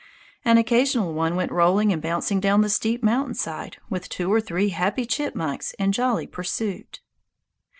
An occasional one went rolling and bouncing down the steep mountain side with two or three happy chipmunks in jolly pursuit.